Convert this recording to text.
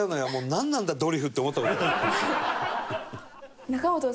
なんなんだドリフって思った事ある。